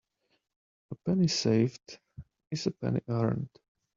A penny saved is a penny earned.